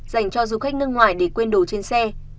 dành cho du khách nước ngoài để quên đồ trên xe